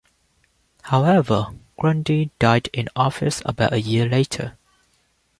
However, Grundy died in office about a year later.